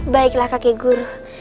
baiklah kakek guru